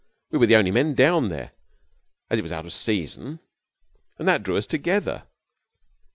We were the only men down there, as it was out of the season, and that drew us together.